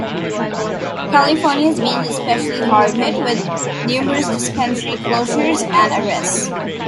California has been especially hard hit, with numerous dispensary closures and arrests.